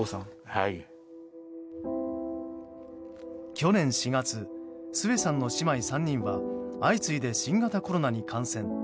去年４月、末さんの姉妹３人は相次いで新型コロナに感染。